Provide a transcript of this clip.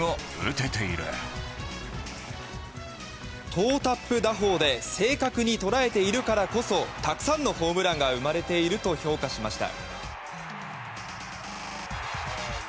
トータップ打法で正確に捉えているからこそたくさんのホームランが生まれていると評価しました。